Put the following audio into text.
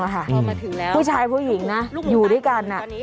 พอมาถึงแล้วผู้ชายผู้หญิงนะอยู่ด้วยกัน